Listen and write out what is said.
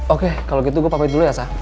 oke kalo gitu gue pamit dulu ya sa